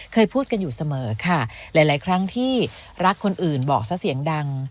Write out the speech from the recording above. เคยพูดกันอยู่เสมอค่ะหลายครั้งที่รักคนอื่นบอกซะเสียงดัง